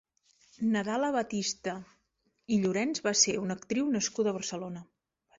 Nadala Batiste i Llorens va ser una actriu nascuda a Barcelona.